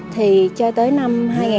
thì cho tới năm hai nghìn ba mươi